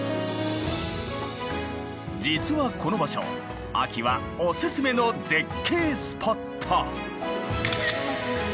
実はこの場所秋はおススメの絶景スポット！